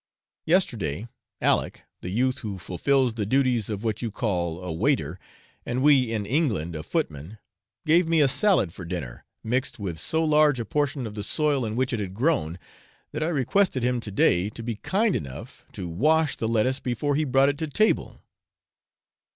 Yesterday, Aleck, the youth who fulfils the duties of what you call a waiter, and we in England a footman, gave me a salad for dinner, mixed with so large a portion of the soil in which it had grown, that I requested him to day to be kind enough to wash the lettuce before he brought it to table.